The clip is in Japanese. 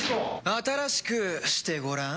新しくしてごらん。